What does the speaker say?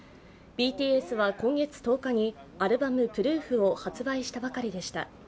ＢＴＳは今月１０日にアルバム「Ｐｒｏｏｆ」を発売したばかりでした。